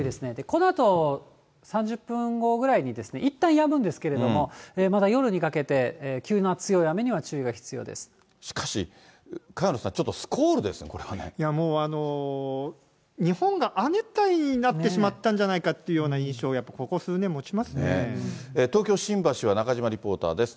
このあと３０分後ぐらいに、いったんやむんですけれども、まだ夜にかけて、急な強い雨には注意がしかし、萱野さん、ちょっともう、日本が亜熱帯になってしまったんじゃないかっていうような印象を、東京・新橋は中島リポーターです。